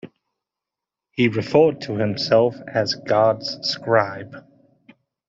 He referred to himself as "God's scribe".